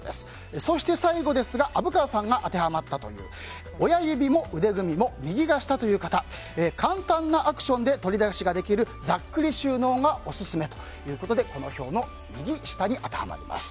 そして、最後ですが虻川さんが当てはまったという親指も腕組も右が下という方簡単なアクションで取り出しができるざっくり収納がオススメということでこの表の右下に当てはまります。